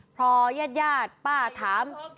พอญาติป้าถาม